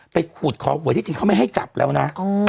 ไปขวดคอร์ตเบอร์ที่จริงเขาไม่ให้จับแล้วนะ